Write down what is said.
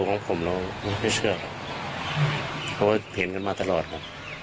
ส่วนตัวของผมและผมเราไม่เชื่อพวกเขานะเขาเห็นกันมาตลอดนะ